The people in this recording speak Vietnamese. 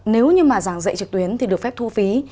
nếu như mà giảng dạy trực tuyến thì được phép thu phí